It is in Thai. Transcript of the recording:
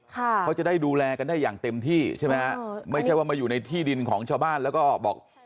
เขาจะได้ดูแลกันได้อย่างเต็มที่ใช่ไหมฮะไม่ใช่ว่ามาอยู่ในที่ดินของชาวบ้านแล้วก็บอก